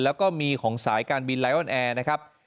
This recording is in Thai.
แล้วก็มีของสายการบินไลออนแอร์นะครับ